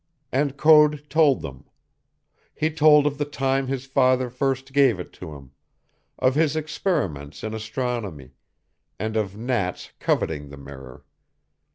And Code told them. He told of the time his father first gave it to him, of his experiments in astronomy, and of Nat's coveting the mirror.